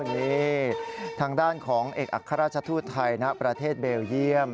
นี่ทางด้านของเอกอัครราชทูตไทยณประเทศเบลเยี่ยม